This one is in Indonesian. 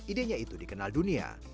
idenya itu dikenal dunia